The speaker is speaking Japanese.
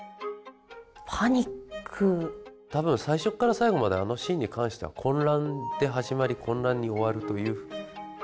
多分最初から最後まであのシーンに関しては混乱で始まり混乱に終わるという。